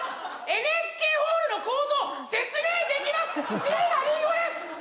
ＮＨＫホールの構造説明できます椎名林檎です